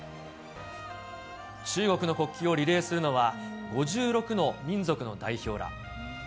中国の国旗をリレーするのは、５６の民族の代表ら。